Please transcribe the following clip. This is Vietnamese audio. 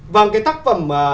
vâng cái tác phẩm